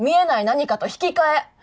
何かと引き換え。